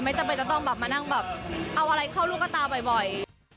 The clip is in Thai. จำเป็นจะต้องแบบมานั่งแบบเอาอะไรเข้าลูกกระตาบ่อย